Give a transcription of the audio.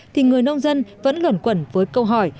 thì người nông dân vẫn luẩn quẩn với câu hỏi